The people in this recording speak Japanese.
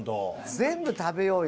全部食べようよ。